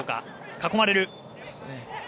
囲まれる。